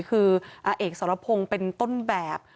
คืออาเอกสรพงศ์เป็นต้นแบบ